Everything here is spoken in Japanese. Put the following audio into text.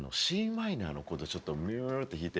マイナーのコードをちょっとミュって弾いて。